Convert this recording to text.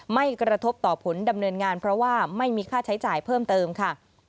ไม่กระทบต่อผลดำเนินงานเพราะว่าไม่มีค่าใช้จ่ายเพิ่มเติมค่ะ